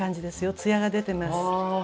ツヤが出てます。